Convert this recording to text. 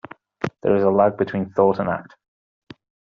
There is a lag between thought and act.